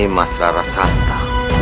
mas rara santa